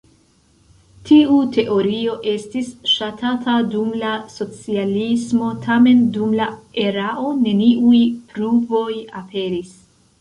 Tiu teorio estis ŝatata dum la socialismo, tamen dum la erao neniuj pruvoj aperis.